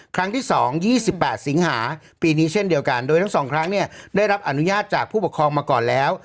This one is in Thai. ครั้งที่๒๒๘สิงหาปีนี้เช่นเดียวกันโดยทั้งสองครั้งเนี่ยได้รับอนุญาตจากผู้ปกครองมาก่อนแล้ว